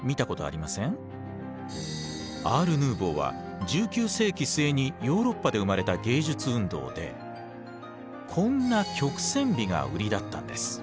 アール・ヌーヴォーは１９世紀末にヨーロッパで生まれた芸術運動でこんな曲線美が売りだったんです。